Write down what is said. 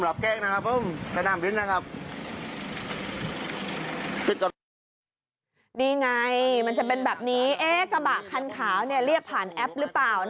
แล้วพอถ่ายคลิปมาแบบนี้เอามาลงในโซเชียลมันก็เกิดเป็นเรื่อง